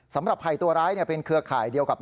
ภัยตัวร้ายเป็นเครือข่ายเดียวกับ